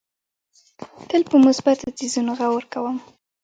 تل په مثبتو څیزونو غور کوم.